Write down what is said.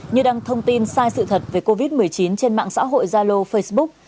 như đăng thông tin sai sự thật về covid một mươi chín trên mạng xã hội zalo facebook